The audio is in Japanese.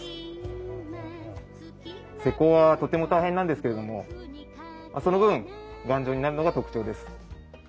施工はとても大変なんですけれどもその分頑丈になるのが特徴です。